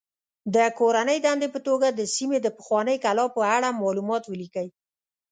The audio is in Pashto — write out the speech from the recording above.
د کورنۍ دندې په توګه د سیمې د پخوانۍ کلا په اړه معلومات ولیکئ.